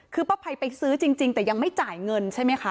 คือป้าภัยไปซื้อจริงแต่ยังไม่จ่ายเงินใช่ไหมคะ